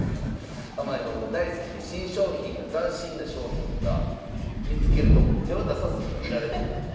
甘い物が大好きで新商品や斬新な商品が見つけるともう手を出さずにはいられないと。